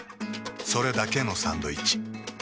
それだけのサンドイッチ。